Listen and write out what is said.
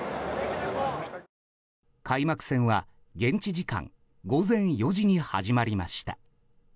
開幕戦は現地時間午前４時に始まりました。